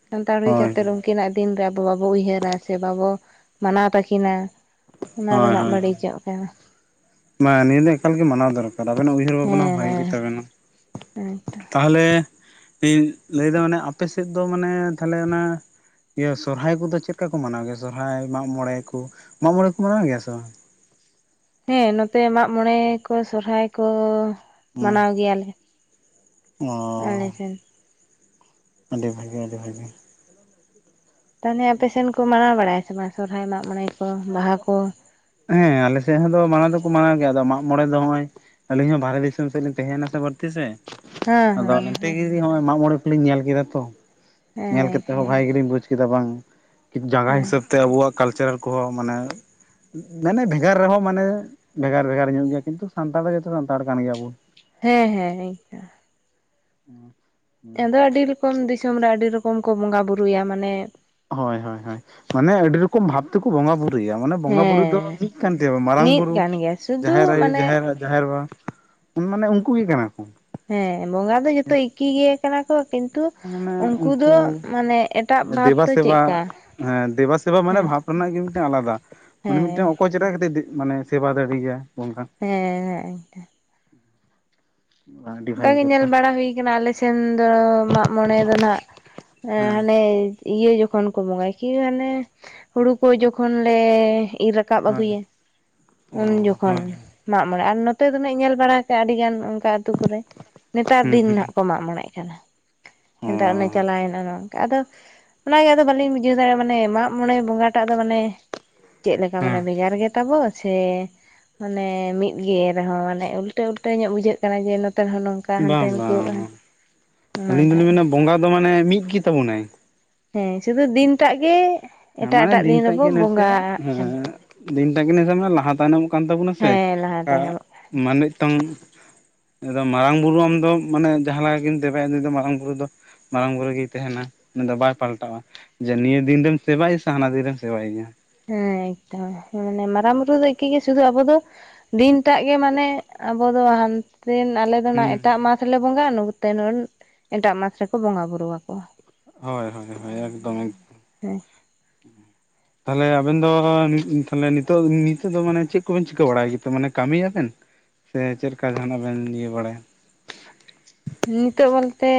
ᱥᱟᱱᱛᱟᱲ ᱦᱩᱭ ᱦᱳᱭ ᱠᱟᱛᱮ ᱨᱮ ᱦᱚᱸ ᱩᱱᱠᱤᱱᱟᱜ ᱫᱤᱱ ᱫᱚ ᱟᱵᱚ ᱵᱟᱵᱚ ᱩᱭᱦᱟᱹᱨᱟ ᱥᱮ ᱵᱟᱵᱚ ᱢᱟᱱᱟᱣ ᱛᱟᱹᱠᱤᱱᱟ ᱚᱱᱟ ᱫᱚ ᱦᱳᱭ ᱱᱟᱜ ᱦᱳᱭ ᱵᱟᱹᱲᱤᱡᱚᱜ ᱠᱟᱱᱟ ᱱᱤᱭᱟᱹ ᱫᱚ ᱮᱠᱟᱞᱜᱮ ᱢᱟᱱᱟᱣ ᱫᱚᱨᱠᱟᱨ ᱟᱵᱮᱱᱟᱜ ᱩᱭᱦᱟᱹᱨ ᱵᱷᱟᱵᱱᱟ ᱦᱚ ᱦᱮᱸ ᱵᱷᱟᱜᱤ ᱜᱮᱛᱟᱵᱮᱱᱟ ᱦᱮᱸ ᱛᱚ ᱛᱟᱦᱞᱮ ᱤᱧ ᱞᱟᱹᱭᱫᱟ ᱢᱟᱱᱮ ᱟᱯᱮ ᱥᱮᱫ ᱫᱚ ᱢᱟᱱᱮ ᱛᱟᱦᱞᱮ ᱚᱱᱟ ᱤᱭᱟᱹ ᱥᱚᱨᱦᱟᱭ ᱠᱚᱫᱚ ᱪᱮᱫ ᱞᱮᱠᱟ ᱠᱚ ᱢᱟᱱᱟᱣ ᱜᱮᱭᱟ ᱥᱚᱨᱦᱟᱭ ᱢᱟᱠ ᱢᱚᱬᱮ ᱠᱚ ᱢᱟᱜ ᱢᱚᱬᱮ ᱠᱚ ᱢᱟᱱᱟᱣ ᱜᱮᱭᱟ ᱥᱮ ᱵᱟᱝ ᱦᱮᱸ ᱱᱚᱛᱮ ᱢᱟᱜ ᱢᱚᱬᱮ ᱠᱚ ᱥᱚᱨᱚᱦᱟᱭ ᱠᱚ ᱦᱩᱸ ᱢᱟᱱᱟᱣ ᱜᱮᱭᱟᱞᱮ ᱚ ᱟᱞᱮ ᱥᱮᱱ ᱟᱹᱰᱤ ᱵᱷᱟᱜᱤ ᱟᱹᱰᱤ ᱵᱷᱟᱜᱤ ᱾ ᱛᱟᱦᱚᱞᱮ ᱟᱯᱮᱥᱱ ᱠᱚ ᱢᱟᱱᱟᱣ ᱵᱟᱲᱟᱭᱟ ᱥᱮ ᱵᱟᱝ ᱥᱚᱨᱦᱟᱭ ᱢᱟᱜ ᱢᱚᱬᱮ ᱠᱚ ᱵᱟᱦᱟ ᱠᱚ ᱦᱮᱸ ᱟᱞᱮ ᱥᱮᱫ ᱦᱚᱸᱫᱚ ᱢᱟᱱᱟᱣ ᱫᱚᱠᱚ ᱢᱟᱱᱟᱣ ᱜᱮᱭᱟ ᱟᱫᱚ ᱢᱟᱜ ᱢᱚᱬᱮ ᱫᱚ ᱱᱚᱜᱚᱭ ᱾ ᱟᱹᱞᱤᱧ ᱦᱚᱸ ᱵᱟᱨᱦᱮ ᱫᱤᱥᱚᱢ ᱥᱮᱫ ᱞᱤᱧ ᱛᱟᱦᱮᱸᱱᱟ ᱥᱮ ᱵᱟᱹᱲᱛᱤ ᱥᱮ ᱦᱮᱸ ᱟᱫᱚ ᱱᱚᱱᱛᱮ ᱦᱮᱸ ᱜᱮ ᱱᱚᱜᱼᱚᱭ ᱢᱟᱜ ᱢᱚᱬᱮ ᱞᱤᱧ ᱧᱮᱞ ᱠᱮᱫᱟ ᱛᱚ ᱦᱮᱸ ᱧᱮᱞ ᱠᱟᱛᱮᱫ ᱦᱚᱸ ᱮᱠᱫᱚᱢ ᱵᱷᱟᱜᱤ ᱜᱮ ᱞᱤᱧ ᱵᱩᱡᱽ ᱠᱮᱫᱟ ᱵᱟᱝ ᱡᱟᱸᱜᱟ ᱦᱮᱸ ᱦᱤᱥᱟᱹᱵ ᱛᱮ ᱟᱵᱚᱣᱟᱜ ᱠᱟᱞᱪᱟᱨ ᱠᱚᱦᱚᱸ ᱢᱟᱱᱮ ᱢᱟᱱᱮ ᱵᱷᱮᱜᱟᱨ ᱨᱮᱦᱚᱸ ᱢᱟᱱᱮ ᱵᱷᱮᱜᱟᱨ ᱵᱷᱮᱜᱟᱨ ᱧᱚᱜ ᱜᱮᱭᱟ ᱠᱤᱱᱛᱩ ᱥᱟᱱᱛᱟᱲ ᱫᱚ ᱡᱚᱛᱚ ᱥᱟᱱᱛᱟᱲ ᱠᱟᱱ ᱜᱮᱭᱟᱵᱚᱱ ᱾ ᱦᱮᱸ ᱦᱮᱸ ᱤᱱᱠᱟᱹ ᱾ [unintelligible] ᱟᱫᱚ ᱟᱹᱰᱤ ᱨᱚᱠᱚᱢ ᱫᱤᱥᱚᱢ ᱨᱮ ᱟᱹᱰᱤ ᱨᱚᱠᱚᱢ ᱠᱚ ᱵᱚᱸᱜᱟ ᱵᱩᱨᱩᱭᱟ ᱢᱟᱱᱮ ᱦᱳᱭ ᱦᱳᱭ ᱦᱳᱭ ᱢᱟᱱᱮ ᱟᱹᱰᱤ ᱨᱚᱠᱚᱢ ᱵᱷᱟᱵ ᱛᱮᱠᱚ ᱵᱚᱸᱜᱟ ᱵᱩᱨᱩᱭᱟ ᱾ ᱢᱟᱱᱮ ᱵᱚᱸᱜᱟ ᱵᱩᱨᱩ ᱫᱚ ᱦᱮᱸ ᱢᱤᱫ ᱠᱟᱱ ᱛᱟᱵᱚ ᱢᱟᱨᱟᱝ ᱢᱤᱫ ᱵᱩᱨᱩ ᱠᱟᱱ ᱜᱮᱭᱟ ᱥᱩᱫᱷᱩ ᱡᱟᱦᱮᱨ ᱟᱭᱳ ᱢᱟᱱᱮ ᱡᱟᱦᱮᱨ ᱟᱭ ᱡᱟᱦᱮᱨ ᱮᱨᱟ ᱢᱟᱱᱮ ᱩᱱᱠᱩ ᱜᱮ ᱠᱟᱱᱟ ᱠᱚ ᱾ ᱦᱮᱸ ᱵᱚᱸᱜᱟ ᱫᱚ ᱡᱚᱛᱚ ᱮᱠᱤ ᱜᱮ ᱠᱟᱱᱟ ᱠᱚ ᱠᱤᱱᱛᱩ ᱢᱟᱱᱮ ᱫᱚ ᱩᱱᱠᱩ ᱢᱟᱱᱮ ᱮᱴᱟᱜ ᱵᱷᱟᱵᱽ ᱫᱮᱵᱟ ᱫᱚ ᱥᱮᱵᱟ ᱪᱮᱫᱠᱟ ᱦᱮᱸ ᱫᱮᱵᱟ ᱥᱮᱵᱟ ᱢᱟᱱᱮ ᱦᱮᱸ ᱵᱷᱟᱵ ᱨᱮᱱᱟᱜ ᱜᱮ ᱢᱤᱫᱴᱮᱱ ᱟᱞᱟᱫᱟ ᱢᱟᱱᱮ ᱦᱮᱸ ᱢᱤᱫᱴᱮᱱ ᱚᱠᱚᱭ ᱪᱮᱫᱞᱮᱠᱟ ᱠᱟᱛᱮ ᱢᱟᱱᱮ ᱥᱮᱵᱟ ᱫᱟᱲᱮᱭᱟᱭ ᱚᱱᱠᱟ ᱾ ᱦᱮᱸ ᱦᱮᱸ ᱮᱱᱛᱮ ᱟᱹᱰᱤ ᱚᱱᱠᱟ ᱵᱷᱟᱹᱜᱤ ᱜᱮ ᱧᱮᱞ ᱠᱟᱛᱷᱟ ᱵᱟᱲᱟ ᱦᱩᱭ ᱠᱟᱱᱟ ᱟᱞᱮ ᱥᱮᱱ ᱫᱚ ᱢᱟᱜ ᱢᱚᱬᱮ ᱨᱮᱱᱟᱜ ᱦᱮᱸ [unintelligible] ᱤᱭᱟᱹ ᱡᱚᱠᱷᱚᱱ ᱠᱚ ᱵᱚᱸᱜᱟᱭ ᱠᱤ ᱦᱟᱱᱮ ᱦᱩᱲᱩ ᱠᱚ ᱡᱚᱠᱷᱚᱱ ᱞᱮ ᱤᱨ ᱨᱟᱠᱟᱵ ᱦᱳᱭ ᱟᱹᱜᱩᱭᱟ ᱚ ᱩᱱ ᱡᱚᱠᱷᱚᱱ ᱦᱳᱭ ᱢᱟᱜ ᱢᱚᱬᱮ ᱟᱨ ᱱᱚᱛᱮ ᱫᱚ ᱱᱟ ᱤᱧ ᱧᱮᱞ ᱵᱟᱲᱟ ᱠᱟᱜᱼᱟ ᱟᱹᱰᱤ ᱜᱟᱱ ᱚᱱᱠᱟ ᱟᱛᱩ ᱠᱚᱨᱮ ᱾ ᱱᱮᱛᱟᱨ ᱦᱩᱸ ᱫᱤᱱ ᱱᱟᱜ ᱦᱩᱸ ᱠᱚ ᱢᱟᱜ ᱢᱚᱬᱮ ᱠᱟᱱᱟ ᱚ ᱱᱮᱛᱟᱨ ᱚᱱᱮ ᱪᱟᱞᱟᱣᱱᱮᱱᱟ ᱟᱫᱚ ᱚᱱᱟᱜᱮ ᱟᱫᱚ ᱵᱟᱹᱞᱤᱧ ᱵᱩᱡᱷᱟᱹᱣ ᱫᱟᱲᱮᱭᱟᱜ ᱢᱟᱱᱮ ᱢᱟᱜ ᱢᱚᱬᱮ ᱵᱚᱸᱜᱟ ᱴᱟᱜ ᱫᱚ ᱢᱟᱱᱮ ᱪᱮᱫ ᱞᱮᱠᱟ ᱦᱮᱸ ᱢᱟᱱᱮ ᱵᱷᱮᱜᱟᱨ ᱜᱮ ᱛᱟᱵᱳ ᱥᱮ ᱢᱟᱱᱮ ᱢᱤᱫ ᱜᱮ ᱨᱮᱦᱚᱸ ᱢᱟᱱᱮ ᱩᱞᱴᱟᱹ ᱩᱞᱴᱟᱹ ᱧᱚᱜ ᱵᱩᱡᱷᱟᱹᱜ ᱠᱟᱱᱟ ᱡᱮ ᱱᱚᱛᱮ ᱨᱮᱦᱚᱸ ᱱᱚᱝᱠᱟ ᱾ ᱵᱟᱝ ᱵᱟᱝ ᱚᱱᱟᱴᱟᱜ ᱢᱤᱫ ᱵᱚᱸᱜᱟ ᱫᱚ ᱢᱟᱱᱮ ᱢᱤᱫ ᱜᱮ ᱛᱟᱵᱚᱱᱟᱭ ᱾ ᱦᱮᱸ ᱥᱩᱫᱩ ᱫᱤᱱᱴᱟᱜ ᱜᱮ ᱦᱮᱸ ᱮᱴᱟᱜ ᱢᱟᱱᱮ ᱮᱴᱟᱜ ᱫᱤᱱ ᱴᱟᱜ ᱨᱮᱵᱚ ᱜᱮ ᱱᱟᱥᱮᱭᱟᱜ ᱵᱚᱸᱜᱟᱜ ᱦᱮᱸ ᱠᱟᱱᱟ ᱫᱤᱱᱴᱟᱠᱤᱱ ᱞᱟᱦᱟ ᱛᱟᱭᱱᱚᱢᱚᱜ ᱠᱟᱱ ᱛᱟᱵᱚᱱᱟ ᱥᱮ ᱦᱮᱸ ᱞᱟᱦᱟ ᱛᱟᱭᱚᱢᱚᱜ [unintelligible] ᱟᱫᱚ ᱢᱟᱨᱟᱝ ᱵᱩᱨᱩ ᱟᱢ ᱫᱚ ᱢᱟᱱᱮ ᱡᱟᱦᱟᱸ ᱞᱮᱠᱟ ᱜᱮᱢ ᱫᱮᱵᱟᱭᱟ ᱱᱩᱭ ᱫᱚ ᱢᱟᱨᱟᱝ ᱵᱩᱨᱩ ᱫᱚ ᱢᱟᱨᱟᱝ ᱵᱩᱨᱩ ᱜᱮᱭ ᱛᱟᱦᱮᱱᱟ ᱩᱱᱤ ᱫᱚ ᱵᱟᱭ ᱯᱟᱞᱴᱟᱜᱼᱟ ᱡᱮ ᱱᱤᱭᱟᱹ ᱫᱤᱱ ᱨᱮᱢ ᱥᱮᱵᱟᱭ ᱥᱮ ᱦᱟᱱᱟ ᱫᱤᱱᱨᱮᱢ ᱥᱮᱵᱟᱭᱮ ᱜᱮᱭᱟ ᱦᱮᱸ ᱮᱠᱫᱚᱢ ᱢᱟᱱᱮ ᱢᱟᱨᱟᱝ ᱵᱩᱨᱩ ᱫᱚ ᱮᱠᱤ ᱜᱮ ᱥᱩᱫᱷᱩ ᱟᱵᱚ ᱫᱚ ᱫᱤᱱ ᱴᱟᱜ ᱜᱮ ᱢᱟᱱᱮ ᱟᱵᱚ ᱫᱚ ᱦᱟᱱᱛᱮ ᱟᱞᱮ ᱚᱱᱟ ᱦᱩᱸ ᱮᱴᱟᱜ ᱢᱟᱥ ᱨᱮᱞᱮ ᱵᱚᱸᱜᱟ ᱱᱛᱮ ᱱᱚ ᱮᱴᱟᱜ ᱢᱟᱥ ᱨᱮᱠᱚ ᱵᱚᱸᱜᱟ ᱵᱩᱨᱩ ᱟᱠᱚ ᱦᱳᱭ ᱦᱳᱭ ᱦᱳᱭ ᱦᱮᱸ ᱮᱠᱫᱚᱢ ᱦᱮᱸ ᱮᱠᱫᱚᱢ᱾ ᱦᱮᱸ ᱛᱟᱦᱞᱮ ᱟᱵᱮᱱ ᱫᱚ ᱛᱟᱦᱞᱮ ᱱᱤᱛᱚᱜ ᱱᱤᱛᱚᱜ ᱫᱚ ᱢᱟᱱᱮ ᱪᱮᱫ ᱠᱚᱵᱮᱱ ᱪᱤᱠᱟᱹ ᱵᱟᱲᱟᱭ ᱜᱮᱛᱮ ᱠᱟᱹᱢᱤᱭᱟᱵᱮᱱ? ᱥᱮ ᱪᱮᱫ ᱞᱮᱠᱟ ᱡᱟᱦᱟᱱᱟᱜ ᱵᱮᱱ ᱤᱭᱟᱹ ᱵᱟᱲᱟᱭᱟ? ᱱᱤᱛᱚᱜ ᱵᱚᱞᱛᱮ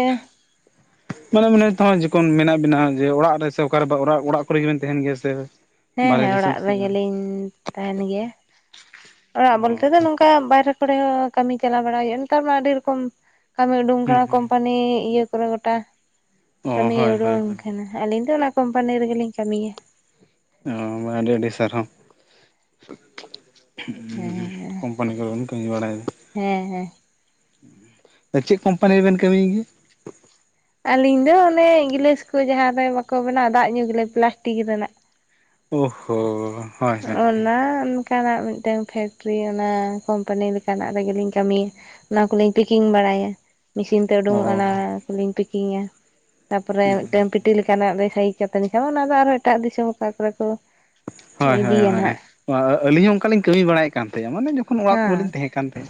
ᱢᱟᱱᱮ ᱢᱮ ᱛᱮ ᱡᱚᱠᱷᱚᱱ ᱢᱮᱱᱟᱜ ᱵᱮᱱᱟ ᱡᱮ ᱚᱲᱟᱜ ᱨᱮ ᱥᱮ ᱚᱠᱟᱨᱮᱲᱟᱜ ᱚᱲᱟᱜ ᱠᱚᱨᱮ ᱜᱮᱵᱮᱱ ᱛᱟᱦᱮᱱ ᱜᱮᱭᱟ ᱥᱮ ᱦᱮᱸ ᱵᱟᱨᱦᱮ ᱦᱮᱸ ᱫᱤᱥᱚᱢ ᱚᱲᱟᱜ ᱥᱮᱫ ᱨᱮᱜᱮᱞᱤᱧ ᱛᱟᱦᱮᱱ ᱜᱮᱭᱟ ᱚᱲᱟᱜ ᱚ ᱵᱚᱞᱛᱮ ᱫᱚ ᱱᱚᱝᱠᱟ ᱚᱱᱠᱟ ᱵᱟᱨᱦᱨᱮ ᱠᱚᱨᱮ ᱦᱚᱸ ᱠᱟᱹᱢᱤ ᱪᱟᱞᱟᱣ ᱵᱟᱲᱟᱭ ᱦᱩᱭᱩᱜᱼᱟ ᱚᱱᱠᱟ ᱢᱟ ᱟᱹᱰᱤ ᱨᱚᱠᱚᱢ ᱠᱟᱹᱢᱤ ᱩᱰᱩᱝ ᱦᱩᱸ ᱟᱠᱟᱱᱟ ᱦᱩᱸ ᱠᱳᱢᱯᱟᱱᱤ ᱤᱭᱟᱹ ᱠᱚᱨᱮ ᱜᱚᱴᱟ ᱾ [unintelligible] ᱚ ᱦᱳᱭ ᱦᱳᱭ ᱦᱳᱭ ᱠᱟᱱᱟ ᱟᱹᱞᱤᱧ ᱫᱚ ᱚᱱᱟ ᱠᱳᱢᱯᱟᱱᱤ ᱨᱮᱜᱮ ᱞᱤᱧ ᱠᱟᱹᱢᱤᱭᱟ ᱾ ᱚ ᱢᱟ ᱟᱹᱰᱤ ᱟᱹᱰᱤ ᱥᱟᱨᱦᱟᱣ ᱾ ᱦᱩᱸ ᱦᱮᱸ ᱠᱳᱢᱯᱟᱱᱤ ᱠᱚᱨᱮ ᱵᱚᱱ ᱠᱟᱹᱢᱤ ᱵᱟᱲᱟᱭᱟ ᱾ ᱦᱮᱸ ᱦᱮᱸ ᱪᱮᱫ ᱠᱳᱢᱯᱟᱱᱤ ᱨᱮᱵᱮᱱ ᱠᱟᱹᱢᱤᱭ ᱜᱮᱭᱟ? ᱟᱹᱞᱤᱧ ᱫᱚ ᱚᱱᱮ ᱜᱤᱞᱟᱹᱥ ᱠᱚ ᱡᱟᱦᱟᱸ ᱨᱮ ᱵᱟᱠᱚ ᱵᱮᱱᱟᱣ ᱫᱟᱜ ᱧᱩ ᱜᱮᱞᱮ ᱯᱞᱟᱥᱴᱤᱠ ᱨᱮᱱᱟᱜ ᱳ ᱦᱳ ᱚᱱᱟ ᱚᱱᱠᱟᱱᱟᱜ ᱢᱤᱫᱴᱟᱝ ᱯᱷᱮᱠᱴᱨᱤ ᱚᱱᱟ ᱠᱳᱢᱯᱟᱱᱤ ᱞᱮᱠᱟᱱᱟᱜ ᱨᱮᱜᱮ ᱞᱤᱧ ᱠᱟᱹᱢᱤᱭᱟ ᱾ ᱚᱱᱟ ᱠᱚ ᱞᱤᱧ ᱠᱤᱠᱤᱝ [unintelligible] ᱵᱟᱲᱟᱭᱟ ᱾ ᱢᱮᱥᱤᱱ ᱛᱮ ᱚ ᱩᱰᱩᱝᱚᱜᱼᱟ᱾ ᱚᱱᱟ ᱠᱚᱞᱤᱧ ᱯᱮᱠᱤᱝᱼᱟ, ᱛᱟᱯᱚᱨᱮ ᱢᱤᱫᱴᱟᱝ ᱯᱤᱴᱤ ᱞᱮᱠᱟᱱᱟᱜ ᱞᱮ ᱥᱟᱭᱤᱡ ᱪᱤᱠᱟᱹᱛᱮ ᱱ ᱠᱷᱟᱱ [unintelligible] ᱚᱱᱟᱫᱚ ᱟᱨᱚ ᱮᱴᱟᱜ ᱫᱤᱥᱚᱢ ᱚᱠᱟ ᱠᱚᱨᱮ ᱠᱚ ᱦᱳᱭ ᱦᱳᱭ ᱤᱫᱤᱭᱟ ᱦᱳᱭ ᱱᱟᱦᱟᱜ ᱟᱹᱞᱤᱧ ᱦᱚᱸ ᱚᱱᱠᱟᱞᱤᱧ ᱠᱟᱹᱢᱤ ᱵᱟᱲᱟᱭᱮᱫ ᱠᱟᱱ ᱛᱟᱦᱮᱸᱜᱼᱟ ᱢᱟᱱᱮ ᱚᱲᱟᱜ ᱠᱚ ᱦᱮᱸ ᱛᱟᱦᱮᱸ ᱠᱟᱱ ᱛᱟᱦᱮᱸ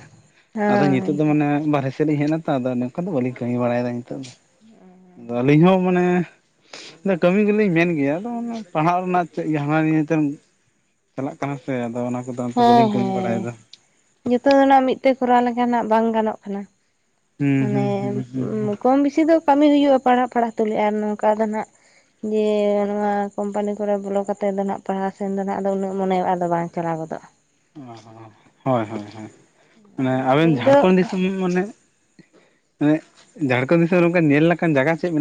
ᱟᱫᱚ ᱦᱮᱸ ᱱᱤᱛᱚᱜ ᱫᱚ ᱢᱟᱱᱮ ᱵᱟᱨᱮ ᱪᱮᱫᱞᱤᱧᱮᱡ ᱛᱚ ᱟᱫᱚ ᱱᱚᱝᱠᱟ ᱫᱚ ᱵᱟᱞᱤᱧ ᱠᱟᱹᱢᱤᱲᱟᱭᱮᱫᱟ ᱱᱤᱛᱚᱜ ᱫᱚ ᱦᱩ ᱟᱫᱚ ᱟᱹᱞᱤᱧ ᱦᱚᱸ ᱢᱟᱱᱮ ᱠᱟᱹᱢᱤ ᱜᱮᱞᱤᱧ ᱢᱮᱱ ᱜᱮᱭᱟ ᱟᱫᱚᱮ ᱯᱟᱲᱦᱟᱜ ᱨᱮᱱᱟᱜ ᱪᱮᱫ ᱜᱮ ᱦᱟᱱᱟ ᱱᱤᱭᱟᱹ ᱛᱮ ᱪᱟᱞᱟᱜ ᱠᱟᱱᱟ ᱥᱮ ᱟᱫᱚ ᱚᱱᱟ ᱠᱚᱫᱚ ᱛᱮ ᱵᱟᱹᱞᱤᱧ ᱠᱟᱹᱢᱤ ᱵᱟᱲᱟᱭᱮᱫᱟ᱾ ᱡᱚᱛᱚᱱᱟᱜ ᱢᱤᱫᱴ ᱠᱚᱨᱟᱣ ᱞᱮᱠᱟᱱᱟᱜ ᱵᱟᱝ ᱜᱟᱱᱚᱜ ᱠᱟᱱᱟ᱾ ᱦᱩᱸ ᱢᱟᱱᱮ ᱦᱩᱸ ᱦᱩᱸ ᱦᱩᱸ ᱦᱩᱸ᱾ ᱠᱚᱢ ᱵᱮᱥᱤ ᱫᱚ ᱠᱟᱹᱢᱤ ᱦᱩᱭᱩᱜᱼᱟ, ᱯᱟᱲᱦᱟᱜ ᱯᱟᱲᱦᱟᱜ ᱛᱩᱞᱩᱡ ᱟᱨ ᱱᱚᱝᱠᱟ ᱫᱚ ᱦᱟᱜ ᱡᱮ ᱱᱚᱣᱟ ᱠᱚᱢᱯᱟᱱᱤ ᱠᱚᱨᱮ ᱵᱚᱞᱚ ᱠᱟ ᱠᱟᱛᱮᱜ ᱫᱚ ᱟᱜ ᱯᱟᱲᱦᱟᱣ ᱥᱮᱱ ᱫᱚ ᱟᱜᱫᱚ ᱩᱱᱟᱹᱜ ᱢᱚᱱᱮᱼᱟᱫᱚ ᱵᱟᱝ ᱪᱟᱞᱟᱣ ᱜᱚᱫᱚᱜᱼᱟ᱾ ᱚ ᱦᱳᱭ ᱦᱳᱭ ᱢᱟᱱᱮ ᱟᱫᱚ ᱦᱟᱸᱜ ᱟᱵᱮᱱ ᱟᱹᱞᱤᱧ ᱫᱚ ᱡᱷᱟᱲᱠᱷᱚᱸᱰ ᱫᱤᱥᱚᱢ ᱢᱟᱱᱮ ᱢᱟᱱᱮ ᱡᱷᱟᱲᱠᱷᱚᱸᱰ ᱫᱤᱥᱚᱢ ᱨᱮ ᱚᱱᱠᱟ ᱧᱮᱞ ᱞᱮᱠᱟᱱ ᱡᱟᱭᱜᱟ ᱪᱮᱫ ᱢᱮᱱᱟᱜᱼᱟ?